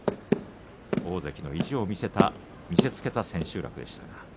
大関の意地を見せつけた千秋楽でした。